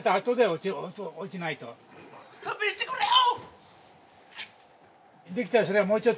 勘弁してくれよ！